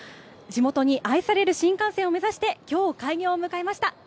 地元に愛される新幹線を目指して、きょう、開業を迎えました。